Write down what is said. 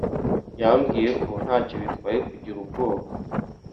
yambwiye ko ntacyo bitwaye kugira ubwoba